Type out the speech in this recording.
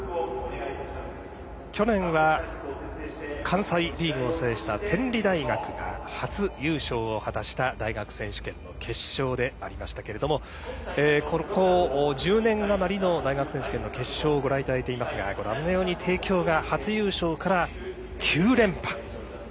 去年は関西リーグを制した天理大学が初優勝を果たした大学選手権の決勝でありましたがここ１０年余りの大学選手権の決勝をご覧いただいていますが、帝京が初優勝から９連覇。